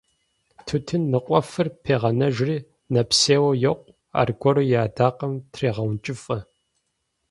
Тутын ныкъуэфыр пегъэнэжри, нэпсейуэ йокъу, аргуэру и Ӏэдакъэм трегъэункӀыфӀэ.